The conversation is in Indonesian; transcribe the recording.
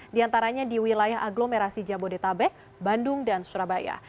diantaranya di wilayah aglomerasi jabodetabek bandung dan surabaya